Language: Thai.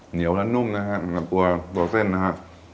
เหนียวและนุ่มนะฮะสำหรับตัวเส้นนะฮะ